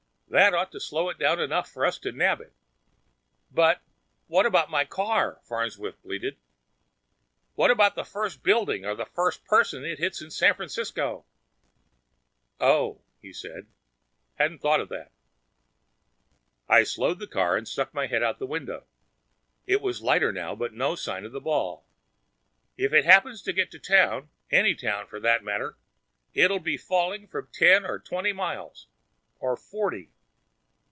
That ought to slow it down enough for us to nab it." "But what about my car?" Farnsworth bleated. "What about that first building or first person it hits in San Francisco?" "Oh," he said. "Hadn't thought of that." I slowed the car and stuck my head out the window. It was lighter now, but no sign of the ball. "If it happens to get to town any town, for that matter it'll be falling from about ten or twenty miles. Or forty."